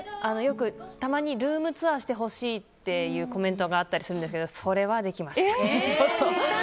たまにルームツアーしてほしいっていうコメントがあったりするんですけどそれはできません。